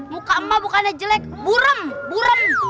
muka emak mukanya jelek burem burem